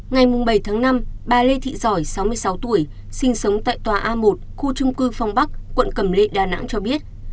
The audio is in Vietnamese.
ngày bảy tháng năm bà lê thị giỏi sáu mươi sáu tuổi sinh sống tại tòa a một khu trung cư phong bắc quận cầm lệ đà nẵng cho biết